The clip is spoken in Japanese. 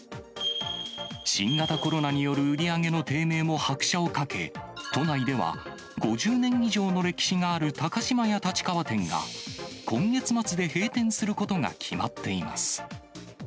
新型コロナによる売り上げの低迷も拍車をかけ、都内では５０年以上の歴史がある高島屋立川店が、今月末で閉店することが決まっています。